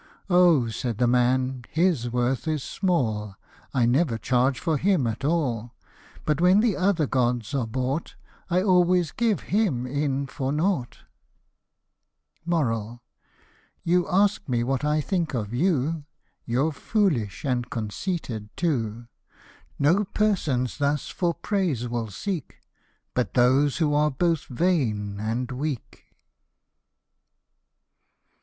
" O !said the man, " his worth is small ; I never charge for him at all ; But when the other gods are bought, I always give him in for nought." You ask me what I think of you, You're foolish and conceited too. No persons thus for praise will seek But those who are both vain and weak.